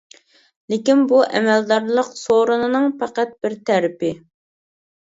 لېكىن بۇ ئەمەلدارلىق سورۇنىنىڭ پەقەت بىر تەرىپى.